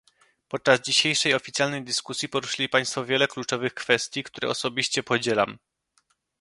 Podczas dzisiejszej oficjalnej dyskusji poruszyli państwo wiele kluczowych kwestii, które osobiście podzielam